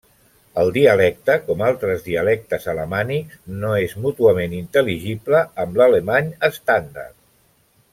El dialecte, com altres dialectes alamànics, no és mútuament intel·ligible amb l'alemany estàndard.